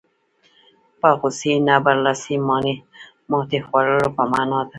په غوسې نه برلاسي ماتې خوړلو په معنا ده.